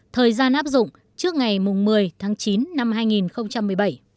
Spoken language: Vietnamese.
thời gian áp dụng trước ngày một mươi tháng chín năm hai nghìn một mươi bảy